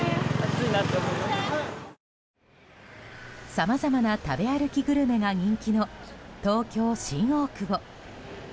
さまざまな食べ歩きグルメが人気の東京・新大久保。